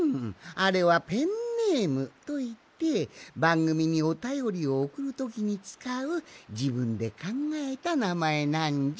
あれはペンネームといってばんぐみにおたよりをおくるときにつかうじぶんでかんがえたなまえなんじゃ。